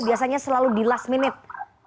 biasanya selalu di last minute